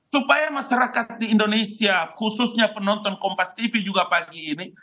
supaya masyarakat di indonesia khususnya penonton kompas tv juga pagi ini